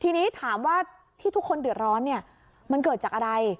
ทีนี้ถามว่าที่ทุกคนเดือดร้อนเนี่ยมันเกิดจากอะไร